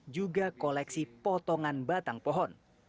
juga koleksi potongan batang pohon